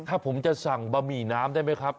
ถ้าผมจะสั่งบะหมี่น้ำได้ไหมครับ